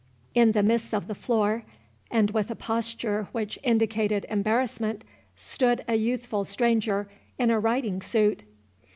In the midst of the floor, and with a posture which indicated embarrassment, stood a youthful stranger, in a riding suit.